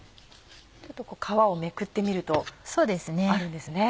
ちょっと皮をめくってみるとあるんですね。